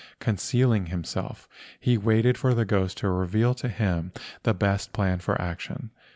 Concealing himself he waited for the ghost to reveal to him the best plan for action.